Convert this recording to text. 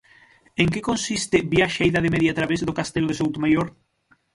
En que consiste "Viaxe á Idade Media a través do Castelo de Soutomaior"?